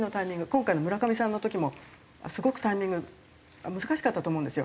今回の村上さんの時もすごくタイミング難しかったと思うんですよ。